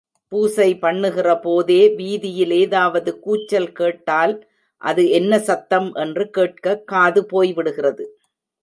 பூசை பண்ணுகிறபோதே, வீதியில் ஏதாவது கூச்சல் கேட்டால் அது என்ன சத்தம் என்று கேட்கக் காது போய்விடுகிறது.